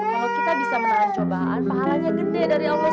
kalau kita bisa menahan cobaan pahalanya gede dari allah